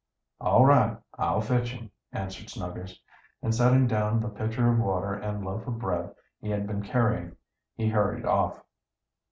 "All right, I'll fetch him," answered Snuggers. And setting down the pitcher of water and loaf of bread he had been carrying he hurried off.